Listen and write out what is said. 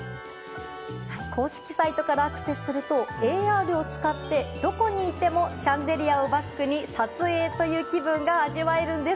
公式サイトからアクセスするとＡＲを使って、どこにいてもシャンデリアをバックに撮影という気分が味わえるんです。